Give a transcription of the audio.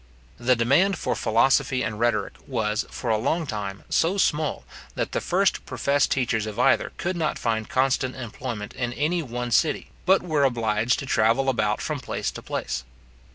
The demand for philosophy and rhetoric was, for a long time, so small, that the first professed teachers of either could not find constant employment in any one city, but were obliged to travel about from place to place.